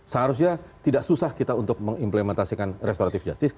seharusnya tidak susah kita untuk mengimplementasikan restoratif justice